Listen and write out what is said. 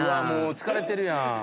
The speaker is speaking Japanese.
「もう疲れてるやん」